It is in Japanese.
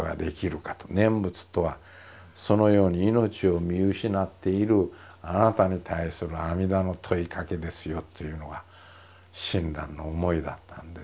念仏とはそのように命を見失っているあなたに対する阿弥陀の問いかけですよっていうのが親鸞の思いだったんですね。